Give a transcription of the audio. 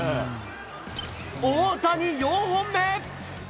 大谷、４本目。